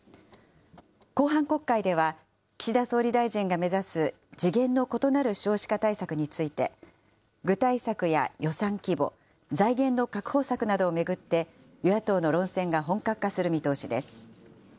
後半国会では、岸田総理大臣が目指す次元の異なる少子化対策について、具体策や予算規模、財源の確保策などを巡って、与野党の論戦が本格化する見通しです。